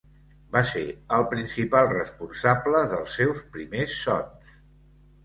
Va ser el principal responsable dels seus primers sons.